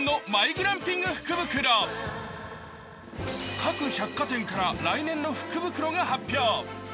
各百貨店から来年の福袋が発表。